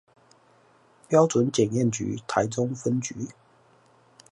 標準檢驗局臺中分局